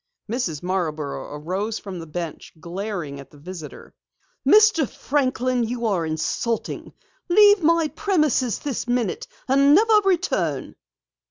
Mrs. Marborough arose from the bench, glaring at the visitor. "Mr. Franklin, you are insulting! Leave my premises this minute and never return!"